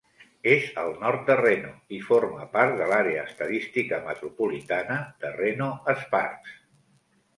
És al nord de Reno i forma part de l'àrea estadística metropolitana de Reno-Sparks.